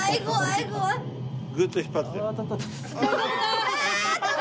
グッと引っ張って？